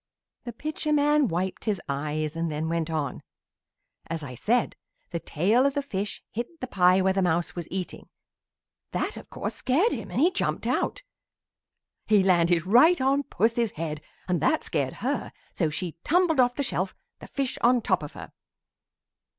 The Pitcher man wiped his eyes and then went on: "As I said, the tail of the fish hit the pie where the mouse was eating. That, of course, scared him and he jumped out. "He landed right on Puss's head and that scared her so she tumbled off the shelf, the fish on top of her.